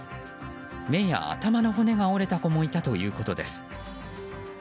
目や頭の骨が折れた子もいたということです。